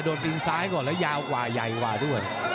โดนติ่งซ้ายก่อนแล้วยาวกว่ายัยกว่าด้วย